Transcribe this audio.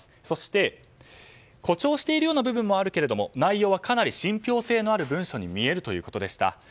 そして、誇張しているような部分もあるけれども内容はかなり信憑性のある文書に見えるということでした。